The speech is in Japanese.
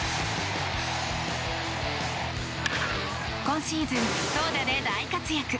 今シーズン、投打で大活躍！